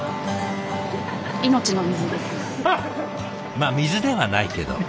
まあ水ではないけど。